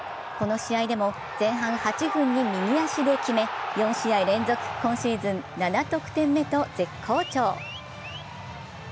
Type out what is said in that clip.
この試合でも前半８分に右足で決め４試合連続、今シーズン７得点目と絶好調。